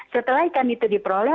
setelah ikan itu diperoleh